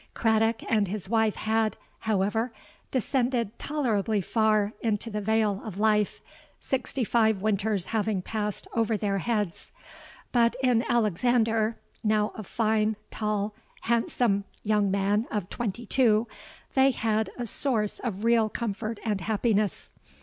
Craddock and his wife had, however, descended tolerably far into the vale of life, sixty five winters having passed over their heads; but in Alexander—now a fine, tall, handsome young man of twenty two—they had a source of real comfort and happiness.